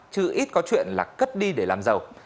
chứ ít có chuyện là cất đi để làm giàu